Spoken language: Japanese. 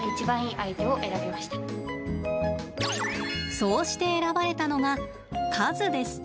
そうして選ばれたのが和です。